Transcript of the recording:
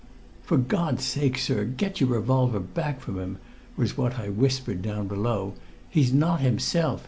"For God's sake, sir, get your revolver back from him!" was what I whispered down below. "He's not himself.